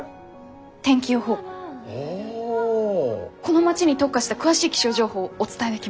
この町に特化した詳しい気象情報お伝えできます。